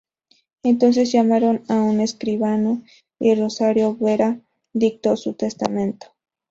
Entonces llamaron a un escribano y Rosario Vera dictó su testamento.